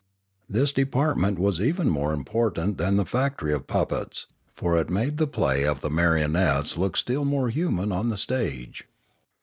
This department was even more important than the factory of puppets; for it made the play of the marionettes look still more human on the stage.